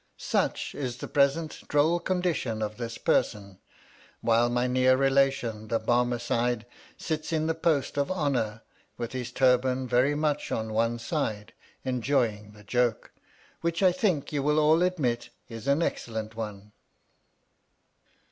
Such is the present droll condition of this person ; while my near relation, the Barmecide, sits in the post of honour with his turban very much on one side, enjoying the joke. Which I think you will all admit is an excellent one.